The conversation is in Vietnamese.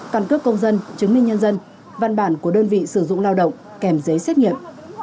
căn cước công dân chứng minh nhân dân văn bản của đơn vị sử dụng lao động kèm giấy xét nghiệm